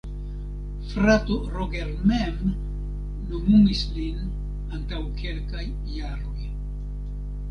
Frato Roger mem nomumis lin antaŭ kelkaj jaroj.